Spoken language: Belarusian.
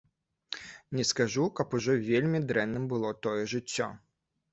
Не скажу, каб ужо вельмі дрэнным было тое жыццё.